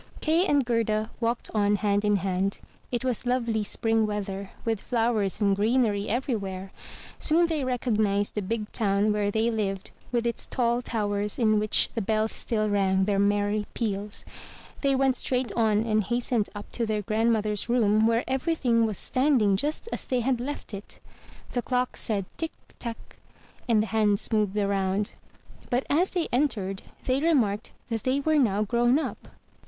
Kay and Gerda walked on hand in hand. It was lovely spring weather, with flowers and greenery everywhere. Soon they recognized the big town where they lived with its tall towers in which the bells still rang their merry peals. They went straight on and hastened up to their grandmother's room, where every thing was standing just as they had left it. The clock said "Tick! tack!" and the hands moved round. But as they entered, they remarked that they were now grown up.